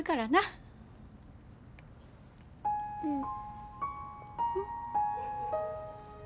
うん。